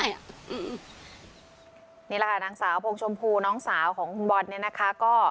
นี่แหละเค้าครับนางสาวโพงชมพูน้องสาวของบ๊อตเนี่ยนะคะ